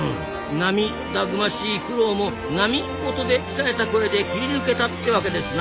なみだぐましい苦労もなみ音で鍛えた声で切り抜けたってわけですな！